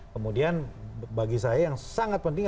kemudian bagi saya yang sangat penting